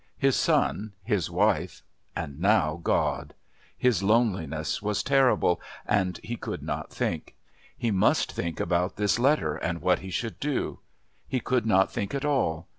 His son, his wife, and now God. His loneliness was terrible. And he could not think. He must think about this letter and what he should do. He could not think at all.